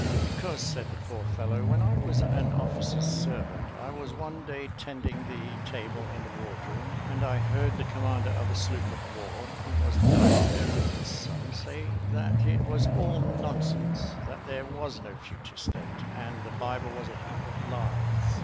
"Because," said the poor fellow, "when I was an officer's servant, I was one day tending the table in the ward room, and I heard the commander of a sloop of war, who was dining there with his son, say that it was all nonsense that there was no future state, and the Bible was a heap of lies.